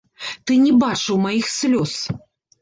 Ты не бачыў маіх слёз!